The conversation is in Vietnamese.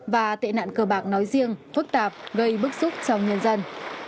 và tệ nạn cờ bạc nói riêng phức tạp gây bức xúc trong nhân dân